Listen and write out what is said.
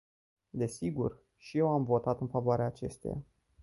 Desigur, și eu am votat în favoarea acesteia.